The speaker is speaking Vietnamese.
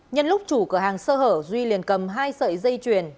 nhân lúc chủ cửa hàng sơ hở duy liền cầm hai sợi dây chuyền